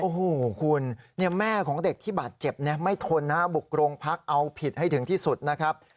โอ้โหคุณแม่ของเด็กที่บาดเจ็บไม่ทนนะบุกโรงพักเอาผิดให้ถึงที่สุดนะครับ